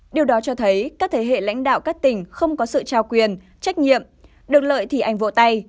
điều đó cho thấy các thế hệ lãnh đạo các tỉnh không có sự trao quyền trách nhiệm được lợi thì ảnh vộ tay